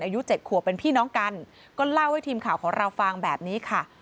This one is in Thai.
อายุเจ็ดขวบเป็นพี่น้องกันก็เล่าให้ทีมข่าวของเราฟังแบบนี้ค่ะ